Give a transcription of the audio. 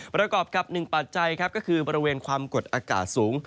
ประกอบกับ๑ปัจจัยก็คือบริเวณความกดอากาศสูง